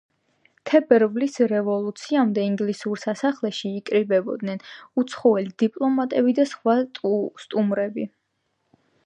თებერვლის რევოლუციამდე ინგლისურ სასახლეში იკრიბებოდნენ უცხოელი დიპლომატები და სხვა სტუმრები.